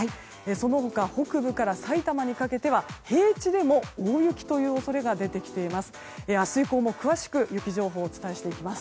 その他、北部から埼玉にかけては平地でも大雪という恐れが出てきています。